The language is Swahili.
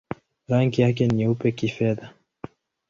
Rangi yake ni nyeupe-kifedha.